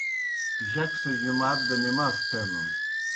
جک سہ جُمات دہ نماز تھینَن۔